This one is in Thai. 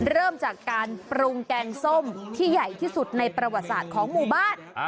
เริ่มจากการปรุงแกงส้มที่ใหญ่ที่สุดในประวัติศาสตร์ของหมู่บ้าน